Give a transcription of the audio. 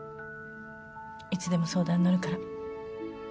いつでも相談乗るから。